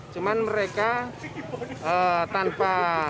cuman mereka tanpa